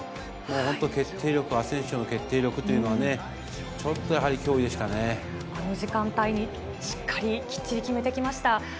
本当、決定力、アセンシオの決定力というのはね、本当にやはり、あの時間帯に、しっかり、きっちり決めてきました。